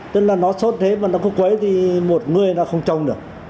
tức là nó sốt thế mà nó có quấy thì một người nó không trồng được